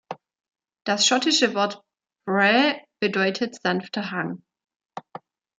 Das schottische Wort "brae" bedeutet sanfter Hang.